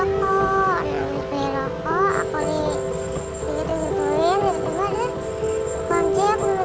kepada adik aku kan